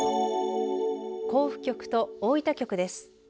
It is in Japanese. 甲府局と大分局です。